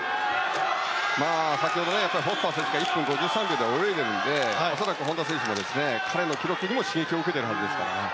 先ほど、フォスター選手が１分５３秒で泳いでいるので恐らく本多選手は彼の記録にも刺激を受けているはずです。